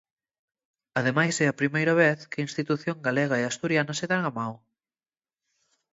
Ademais é a primeira vez que institución galega e asturiana se dan a mao.